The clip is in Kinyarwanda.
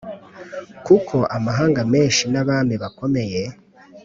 Kuko amahanga menshi n abami bakomeye